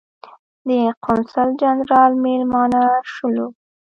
د قونسل جنرال مېلمانه شولو.